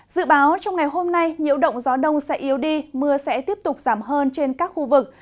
dự báo trong ngày hôm nay nhiễu động gió đông sẽ yếu đi mưa sẽ tiếp tục giảm hơn trên các khu vực